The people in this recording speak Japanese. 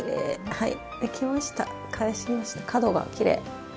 はい。